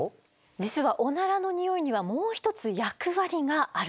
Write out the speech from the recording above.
実はオナラのにおいにはもう一つ役割があるんです。